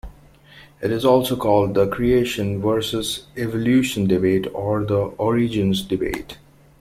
It is also called the "creation versus evolution debate" or the "origins debate".